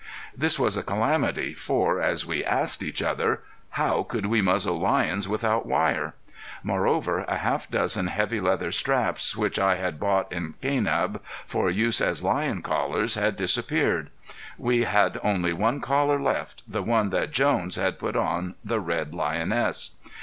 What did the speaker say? This was a calamity, for, as we asked each other, how could we muzzle lions without wire? Moreover, a half dozen heavy leather straps which I had bought in Kanab for use as lion collars had disappeared. We had only one collar left, the one that Jones had put on the red lioness.